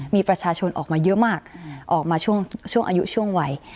มีประชาชนออกมาเยอะมากออกมาช่วงอายุช่วงวัย